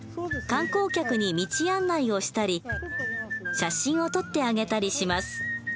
観光客に道案内をしたり写真を撮ってあげたりします。